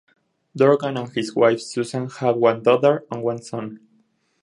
Dorgan and his wife Susan have one daughter and one son.